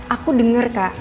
aku denger kak